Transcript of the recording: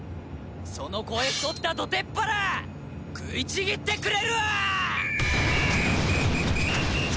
その肥え太った土手っ腹食いちぎってくれるわー！